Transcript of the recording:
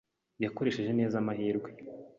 Yakoresheje neza amahirwe.